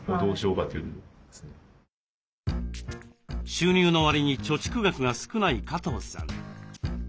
収入のわりに貯蓄額が少ない加藤さん。